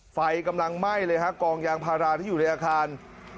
ไฟกำลังไหม้เลยฮะกองยางพาราที่อยู่ในอาคาร